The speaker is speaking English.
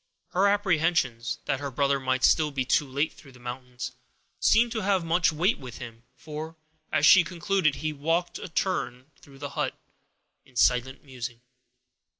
Her apprehensions, that her brother might still be too late through the mountains, seemed to have much weight with him, for, as she concluded, he walked a turn or two across the hut, in silent musing.